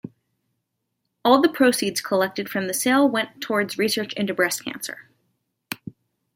All the proceeds collected from the sale went towards research into breast cancer.